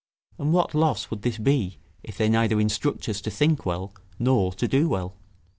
And what loss would this be, if they neither instruct us to think well nor to do well?